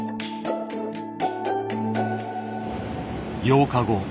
８日後。